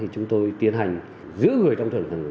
chúng tôi tiến hành giữ người trong thường hồn